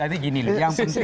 jadi gini yang penting